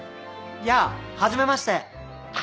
やあ初めまして